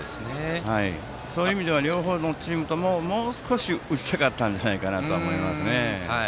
そういう意味では両方のチームとも、もう少し打ちたかったんじゃないかなと思いますね。